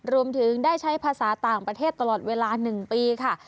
รวมถึงได้ใช้ภาษาต่างประเทศตลอดเวลา๑ปีค่ะ